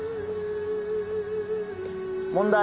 問題。